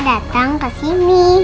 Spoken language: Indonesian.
ya datang kesini